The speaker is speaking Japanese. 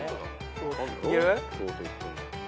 いける？